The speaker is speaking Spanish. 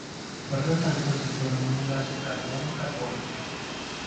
Por lo tanto, se forma un nuevo enlace carbono-carbono.